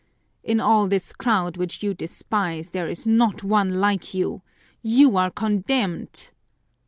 In all this crowd which you despise there is not one like you! You are condemned!"